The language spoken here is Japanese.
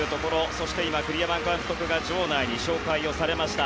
そして今、栗山監督が場内に紹介をされました。